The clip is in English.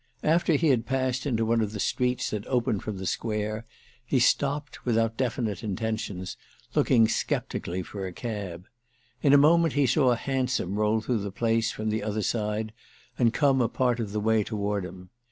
After he had passed into one of the streets that open from the Square he stopped, without definite intentions, looking sceptically for a cab. In a moment he saw a hansom roll through the place from the other side and come a part of the way toward him.